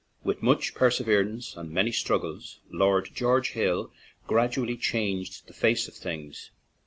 With much perseverance and many struggles, Lord George Hill gradually changed the face of things.